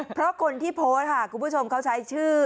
เพราะคนที่โพสต์ค่ะคุณผู้ชมเขาใช้ชื่อ